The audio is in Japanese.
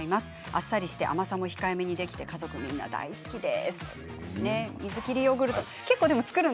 あっさりして甘さも控えめにできて家族みんな大好きです。